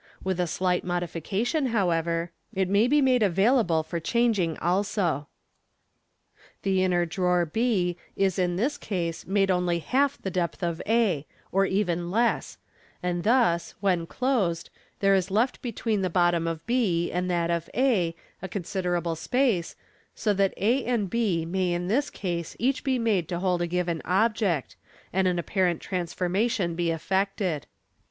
With a slight modification, how ever, it may be made available for changing also. The inner drawer b is in this case made only half the depth of a, or even less ; and thus, when closed, there is left between the bottom of b and that of a a considerable space, so that a and b may in this case each be made to hold a given object, and an apparent transformation be effected.